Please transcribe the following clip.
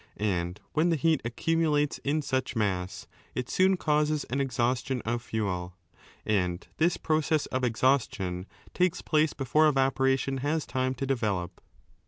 And when the heat accumulates in such mass, it soon causes an exhaustion of fuel, and this process of exhaustion takes place before 3 evaporation has time to develop.